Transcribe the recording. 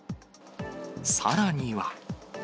さらには。